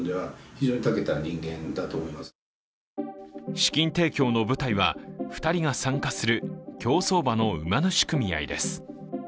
資金提供の舞台は２人が参加する競走馬の馬主組合です。